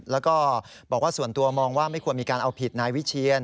แล้วก็บอกว่าส่วนตัวมองว่าไม่ควรมีการเอาผิดนายวิเชียน